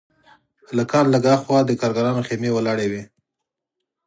له کان لږ هاخوا د کارګرانو خیمې ولاړې وې